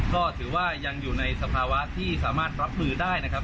ก็ถือว่ายังอยู่ในสภาวะที่สามารถรับมือได้นะครับ